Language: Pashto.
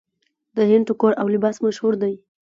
د هند ټوکر او لباس مشهور دی.